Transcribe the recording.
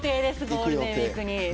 ゴールデンウイークに。